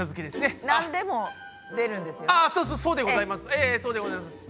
ええそうでございます。